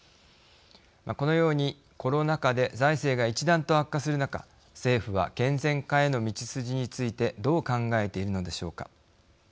このようにコロナ禍で財政が一段と悪化する中政府は健全化への道筋についてどう考えているのでしょうか。